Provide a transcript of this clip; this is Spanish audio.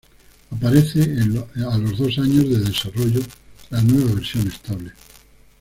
Aparece, a los dos años de desarrollo, la nueva versión estable